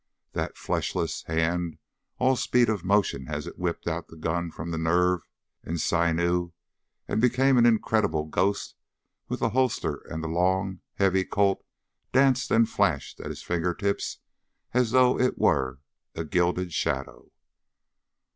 That fleshless hand, all speed of motion as it whipped out the gun from the nerve and sinew, became an incredible ghost with the holster and the long, heavy Colt danced and flashed at his fingertips as though it were a gilded shadow.